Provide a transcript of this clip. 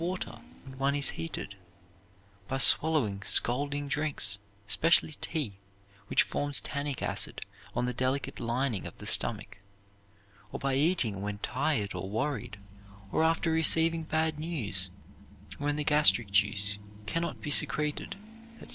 water when one is heated, by swallowing scalding drinks, especially tea, which forms tannic acid on the delicate lining of the stomach; or by eating when tired or worried, or after receiving bad news, when the gastric juice can not be secreted, etc.